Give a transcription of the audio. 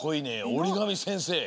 おりがみせんせい？